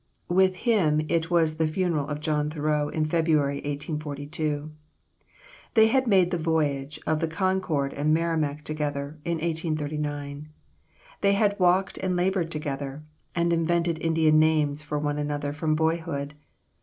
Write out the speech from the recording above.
With him it was the funeral of John Thoreau in February, 1842. They had made the voyage of the Concord and Merrimac together, in 1839; they had walked and labored together, and invented Indian names for one another from boyhood.